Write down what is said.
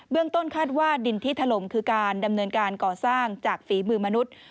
ต้นคาดว่าดินที่ถล่มคือการดำเนินการก่อสร้างจากฝีมือมนุษย์